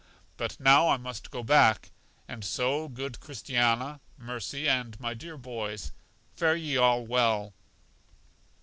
But now I must go back; and so good Christiana, Mercy and my dear boys, fare ye all well.